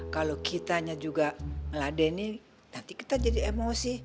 kalo kitanya juga meladenin nanti kita jadi emosi